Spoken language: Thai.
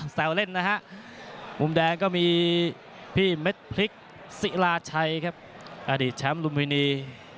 แซวเล่นนะฮะมุมแดงก็มีพี่เม็ดพริกศิลาชัยครับอดีตแชมป์ลุมพินี